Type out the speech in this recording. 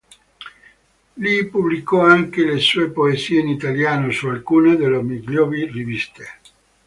Lì pubblicò anche le sue poesie in italiano su alcune delle migliori riviste.